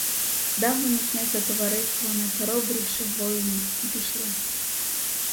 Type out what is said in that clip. Дав мені князь до товариства найхоробріших воїнів і пішли.